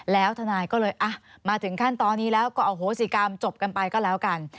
แล้วทนายก็เลยมาถึงขั้นตอนนี้แล้วก็อโหสิกรรมจบกันไปก็แล้วกัน